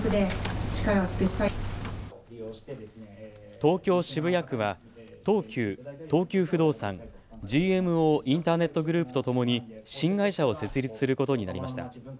東京渋谷区は東急、東急不動産、ＧＭＯインターネットグループとともに新会社を設立することになりました。